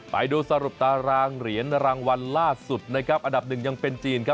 ไปดูสรุปตารางเหรียญรางวัลล่าสุดอันดับ๑ยังเป็นจีน